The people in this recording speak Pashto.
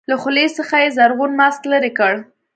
له خولې څخه يې زرغون ماسک لرې کړ.